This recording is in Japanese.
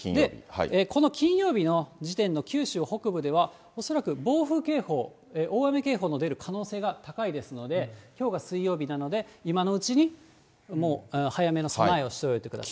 この金曜日の時点の九州北部では、恐らく暴風警報、大雨警報の出る可能性が高いですので、きょうが水曜日なので、今のうちに、もう早めの備えをしておいてください。